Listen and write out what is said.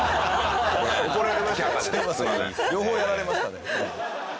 両方やられましたね。